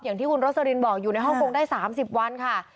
อย่างที่คุณโรสลินบอกอยู่ในฮ่องกงได้๓๐วันค่ะ